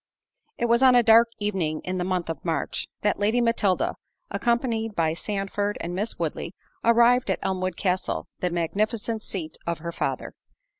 It was on a dark evening in the month of March, that Lady Matilda, accompanied by Sandford and Miss Woodley, arrived at Elmwood Castle, the magnificent seat of her father.